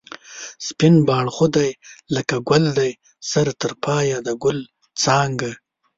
سپین باړخو دی لکه گل دی سر تر پایه د گل څانگه